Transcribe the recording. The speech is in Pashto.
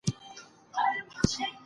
له خپلوانو سره لیدنه وکړئ.